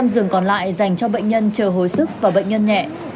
hai trăm linh giường còn lại dành cho bệnh nhân chờ hồi sức và bệnh nhân nhẹ